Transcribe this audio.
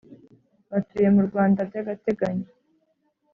Batuye mu Rwanda by’ agateganyo